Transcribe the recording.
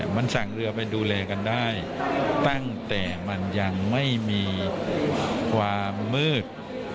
มันสั่งเรือไปดูแลกันได้ตั้งแต่มันยังไม่มีความมืด